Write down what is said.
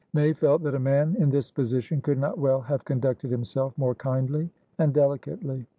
May felt that a man in this position could not well have conducted himself more kindly and delicately.